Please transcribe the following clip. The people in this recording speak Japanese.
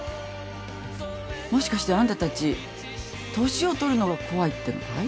もしかしてあんたたち年を取るのが怖いってのかい？